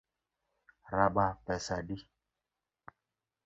Raba pesa adi?